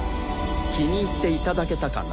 気に入っていただけたかな？